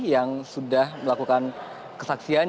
yang sudah melakukan kesaksian